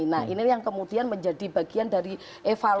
nah ini yang kemudian menjadi bagian dari evaluasi